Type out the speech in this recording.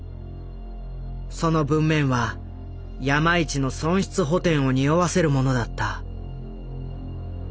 その文面は山一の損失補てんをにおわせるものだった。